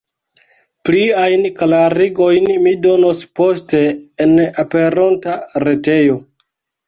Pliajn klarigojn mi donos poste en aperonta retejo.